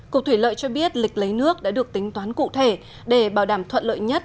cục thủy lợi cho biết lịch lấy nước đã được tính toán cụ thể để bảo đảm thuận lợi nhất